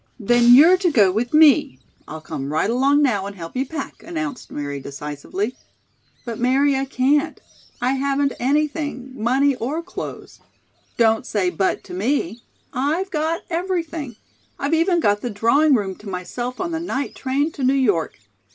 "Then you're to go with me. I'll come right along now and help you pack," announced Mary decisively. "But, Mary, I can't. I haven't anything money or clothes " "Don't say 'but' to me! I've got everything. I've even got the drawing room to myself on the night train to New York.